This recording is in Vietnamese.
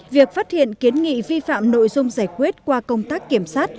việc phát hiện kiến nghị vi phạm nội dung giải quyết qua công tác kiểm sát